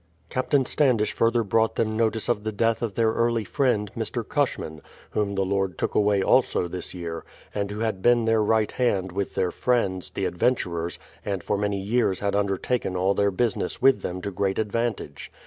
Captain Standish further brought them notice of the death of their early friend, Mr. Cushman, whom the Lord took away also this year, and who had been their right hand with tlieir friends, the adventurers, and for many years had undertaken all their business with them to great advantage.